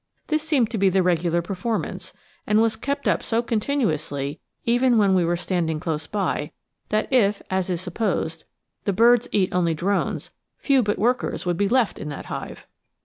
This seemed to be the regular performance, and was kept up so continuously, even when we were standing close by, that if, as is supposed, the birds eat only drones, few but workers would be left in that hive.